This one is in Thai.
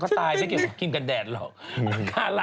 ชาวเรือก็พูด